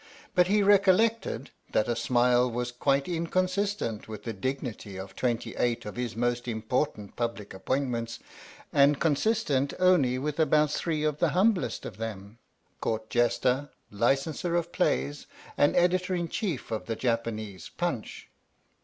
But he recollected that a smile was quite inconsistent with the dignity of twenty eight of his most im portant public appointments, and consistent only with about three of the humblest of them Court Jester, Licenser of Plays, and Editor in Chief of the Japanese Punch.